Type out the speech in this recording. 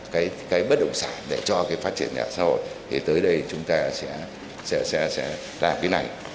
cái bất động sản để cho cái phát triển nhà ở xã hội thì tới đây chúng ta sẽ làm cái này